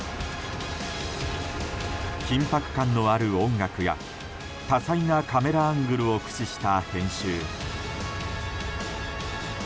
緊迫感のある音楽や多彩なカメラアングルを駆使した編集。